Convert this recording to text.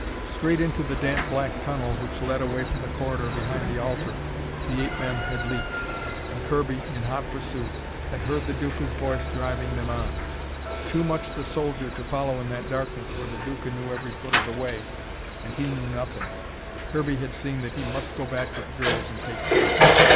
Straight into the damp black tunnel which led away from the corridor behind the altar, the ape men had leaped. And Kirby, in hot pursuit, had heard the Duca's voice driving them on. Too much the soldier to follow in that darkness where the Duca knew every foot of the way, and he knew nothing, Kirby had seen that he must go back to the girls and take stock.